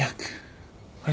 あれ？